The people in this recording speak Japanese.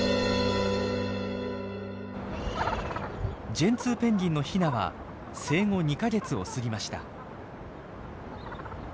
ジェンツーペンギンのヒナは生後２か月を過ぎました。